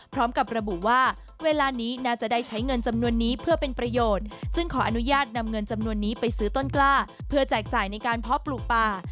พร้อมกับระบุว่าเวลานี้น่าจะได้ใช้เงินจำนวนนี้เพื่อเป็นประโยชน์ซึ่งขออนุญาตนำเงินจำนวนนี้ไปซื้อต้นกล้าเพื่อแจกจ่ายในการเพาะปลูกป่า